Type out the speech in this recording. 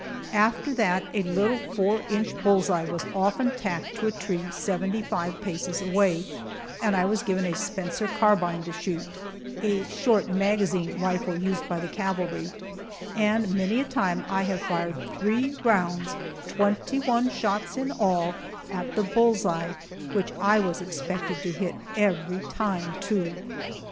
After that a little four inch bull's eye was often tacked to a tree seventy five paces away, and I was given a Spencer carbine to shoot (a short magazine rifle used by the cavalry), and many a time I have fired three rounds, twenty one shots in all, at the bull's eye, which I was expected to hit every time, too.